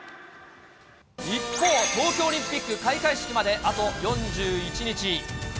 一方、東京オリンピック開会式まであと４１日。